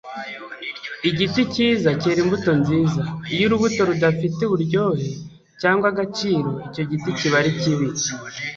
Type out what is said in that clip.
Igiti cyiza cyera imbuto nziza. Iyo urubuto rudafite uburyohe cyangwa agaciro, icyo giti kiba ari kibi.